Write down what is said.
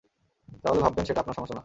তাহলে ভাববেন সেটা আপনার সমস্যা না।